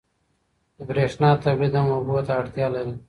د برېښنا تولید هم اوبو ته اړتیا لري.